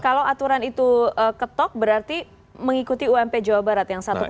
kalau aturan itu ketok berarti mengikuti ump jawa barat yang satu delapan sekian itu